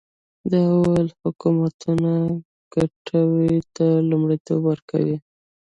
ده وویل حکومتونه ګټو ته لومړیتوب ورکوي.